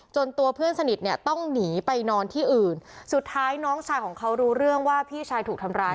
ตัวเพื่อนสนิทเนี่ยต้องหนีไปนอนที่อื่นสุดท้ายน้องชายของเขารู้เรื่องว่าพี่ชายถูกทำร้าย